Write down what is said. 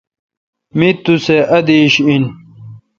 می تو سہ ادیش این۔